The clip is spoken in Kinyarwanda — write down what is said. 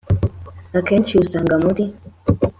Akenshi usanga muri